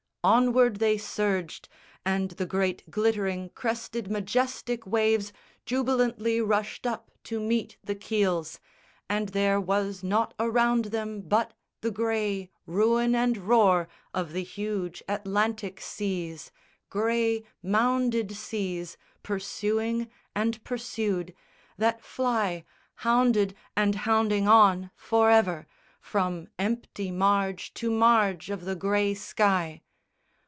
Onward they surged, And the great glittering crested majestic waves Jubilantly rushed up to meet the keels, And there was nought around them but the grey Ruin and roar of the huge Atlantic seas, Grey mounded seas, pursuing and pursued, That fly, hounded and hounding on for ever, From empty marge to marge of the grey sky.